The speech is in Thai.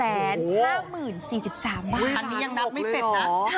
อันนี้ยังนับไม่เสร็จอ่ะ